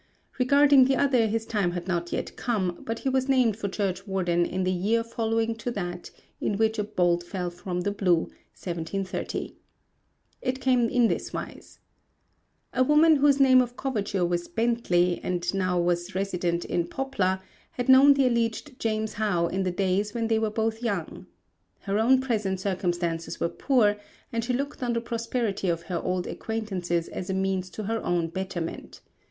Regarding the other his time had not yet come, but he was named for Churchwarden in the year following to that in which a bolt fell from the blue, 1730. It came in this wise: A woman whose name of coverture was Bently, and who was now resident in Poplar, had known the alleged James How in the days when they were both young. Her own present circumstances were poor and she looked on the prosperity of her old acquaintance as a means to her own betterment.